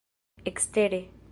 ekstere